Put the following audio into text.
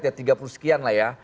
ya tiga puluh sekian lah ya